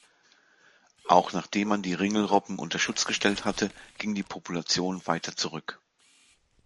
Auch nachdem man die Ringelrobben unter Schutz gestellt hatte, ging die Population weiter zurück.